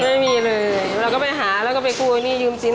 ไม่มีเลยเราก็ไปหาเราก็ไปกู้นี่ยืมชิ้น